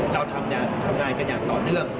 เราทำงานกันอย่างต่อเนื่อง